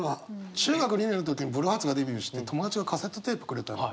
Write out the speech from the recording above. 中学２年の時にブルーハーツがデビューして友達がカセットテープくれたのよ。